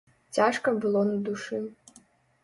Цяжка было на душы.